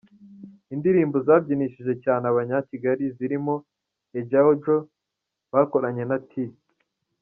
Indirimbo zabyinishije cyane Abanya-Kigali zirimo Ejeajo bakoranye na T.